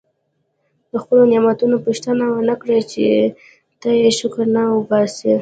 د خپلو نعمتونو پوښتنه ونه کړي چې ته یې شکر نه وباسې.